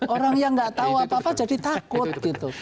orang yang tidak tahu apa apa jadi takut